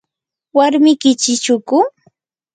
¿warmiki chichuku?